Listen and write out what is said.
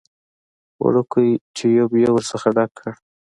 وړوکی ټيوب يې ورڅخه ډک کړ.